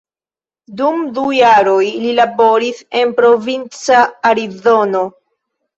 Dum du jaroj li laboris en provinca Arizono.